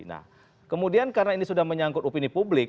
nah kemudian karena ini sudah menyangkut opini publik